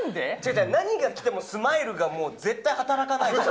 違う、何がきてもスマイルが絶対働かない。